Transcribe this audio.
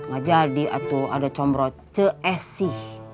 gak jadi atu ada comro ce e si